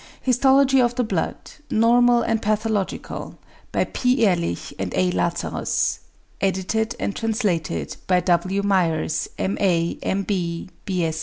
HISTOLOGY OF THE BLOOD NORMAL AND PATHOLOGICAL BY P. EHRLICH AND A. LAZARUS. EDITED AND TRANSLATED BY W. MYERS, M.A., M.